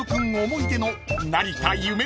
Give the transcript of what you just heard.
思い出の成田ゆめ